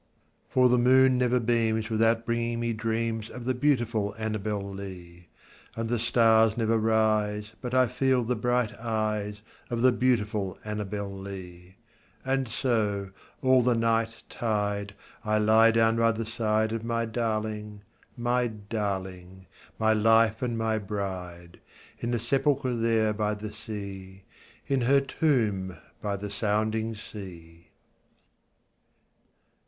For the moon never beams without bringing me dreams Of the beautiful Annabel Lee; And the stars never rise but I feel the bright eyes Of the beautiful Annabel Lee; And so, all the night tide, I lie down by the side Of my darling my darling my life and my bride, In the sepulchre there by the sea, In her tomb by the sounding sea.